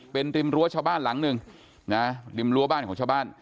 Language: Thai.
เป็นริมรั้วชาวบ้านหลังหนึ่งนะริมรั้วบ้านของชาวบ้าน